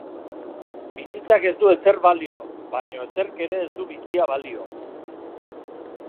Bizitzak ez du ezer balio, baina ezerk ere ez du bizia balio.